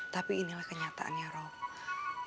tapi inilah kenyataan ya rob